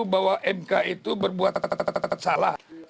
bahwa mk itu berbuat tata tata salah